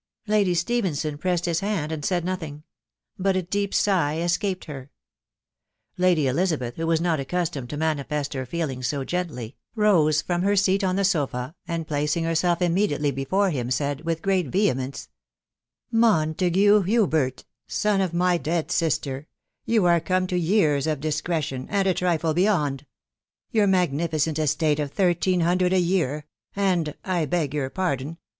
" Lady Stephenson pressed his hand, and said nothing ; bat a deep sigh escaped her. Lady Elizabeth, who was not accus tomed to manifest her feelings so gently, rose from her seat on the sofa, and placing herself imme&»to&j ta&rce him, said, *itb great vehemence, " Montague Tfcvjtafei*., wa. <& mj " THE WIDOW BARNABY. 421 lister, you are come to years of discretion, and a trifle beyond «... Your magnificent estate of thirteen hundred a year, and .... I beg your pardon